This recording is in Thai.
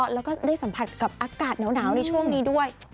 แล้วก็ได้สัมผัสกับอากาศหนาวในช่วงนี้ด้วย